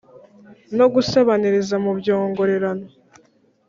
no gusebaniriza mu byongorerano,